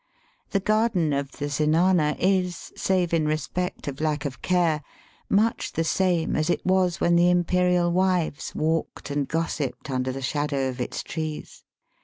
The garden of the Zenana is, save in respect of lack of care, much the same as it was when the imperial wives walked and gossipped under the shadow of its trees.